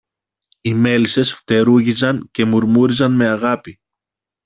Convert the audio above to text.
Οι μέλισσες φτερούγιζαν και μουρμούριζαν με αγάπη